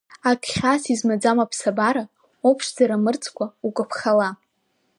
Ак хьаас измаӡам аԥсабара, уԥшӡара мырӡкәа укаԥхала.